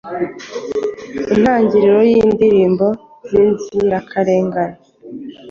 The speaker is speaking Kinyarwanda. Intangiriro Yindirimbo Zinzirakarengane